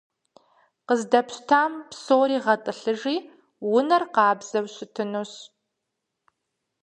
Къыздэпщтам псори гъэтӏылъыжи, унэр къабзэу щытынущ.